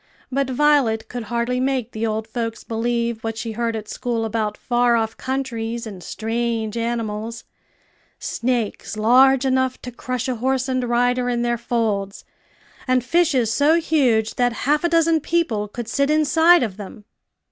But Violet could hardly make the old folks believe what she heard at school about far off countries and strange animals snakes large enough to crush a horse and rider in their folds, and fishes so huge that half a dozen people could sit inside of them.